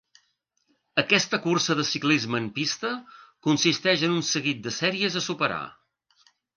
Aquesta cursa de ciclisme en pista consisteix en un seguit de sèries a superar.